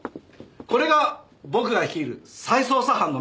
これが僕が率いる再捜査班のメンバーです。